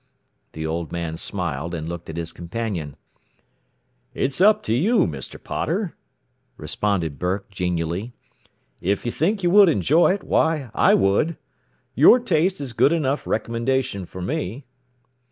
The old man smiled, and looked at his companion. "It is up to you, Mr. Potter," responded Burke genially. "If you think you would enjoy it, why, I would. Your taste is good enough recommendation for me."